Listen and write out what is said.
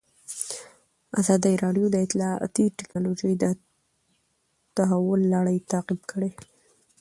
ازادي راډیو د اطلاعاتی تکنالوژي د تحول لړۍ تعقیب کړې.